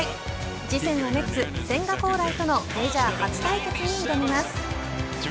次戦はメッツ、千賀滉大とのメジャー初対決に挑みます。